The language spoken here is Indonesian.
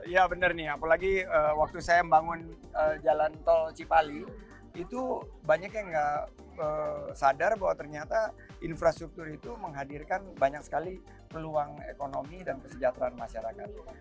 ya bener nih apalagi waktu saya membangun jalan tol cipali itu banyak yang nggak sadar bahwa ternyata infrastruktur itu menghadirkan banyak sekali peluang ekonomi dan kesejahteraan masyarakat